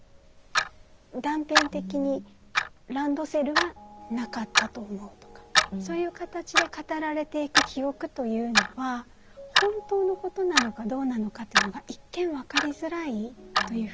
断片的にランドセルはなかったと思うとかそういう形で語られていく記憶というのは本当のことなのかどうなのかというのが一見分かりづらいというふうに言えます。